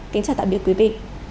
kính chào tạm biệt quý vị